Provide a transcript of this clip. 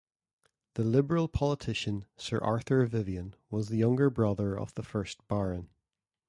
The Liberal politician Sir Arthur Vivian was the younger brother of the first Baron.